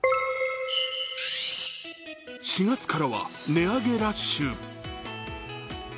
４月からは値上げラッシュ。